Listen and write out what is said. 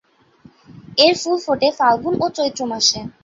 এর ফুল ফোটে ফাল্গুন ও চৈত্র মাসে।